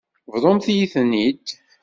Bḍumt-iyi-ten-id.